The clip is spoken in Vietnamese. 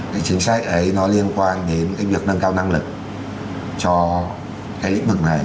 cái chính sách ấy nó liên quan đến cái việc nâng cao năng lực cho cái lĩnh vực này